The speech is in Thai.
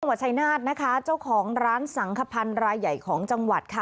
ตำรวจชัยนาฆเจ้าของร้านสังคพรรณรายใหญ่ของจังหวัด